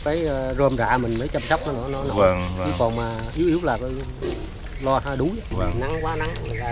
cái rơm rạ mình mới chăm sóc nó nó nó nó còn mà yếu yếu là cái loa đuối nắng quá nắng ra ngoài nó